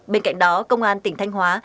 bên cạnh đó công an tỉnh thanh hóa